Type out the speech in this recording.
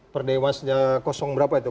per dewas kosong berapa itu